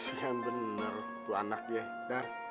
kasian bener pelanak dia dar